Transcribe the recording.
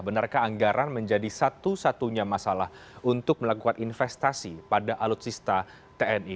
benarkah anggaran menjadi satu satunya masalah untuk melakukan investasi pada alutsista tni